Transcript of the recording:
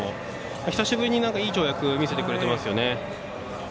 久しぶりにいい跳躍を見せてくれますよね。